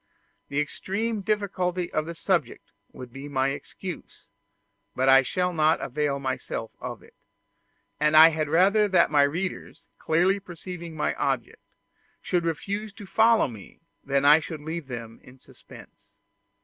The extreme difficulty of the subject would be my excuse, but I shall not avail myself of it; and I had rather that my readers, clearly perceiving my object, should refuse to follow me than that I should leave them in suspense.